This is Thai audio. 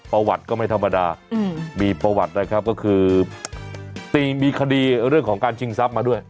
ประวัติก็ไม่ธรรมดามีประวัตินะครับก็คือตีมีคดีเรื่องของการชิงทรัพย์มาด้วย